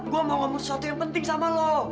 gue mau ngomong sesuatu yang penting sama lo